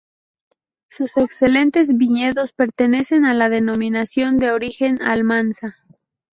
Sus excelentes viñedos pertenecen a la Denominación de Origen Almansa.